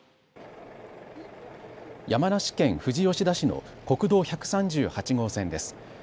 山梨県富士吉田市の国道１３８号線です。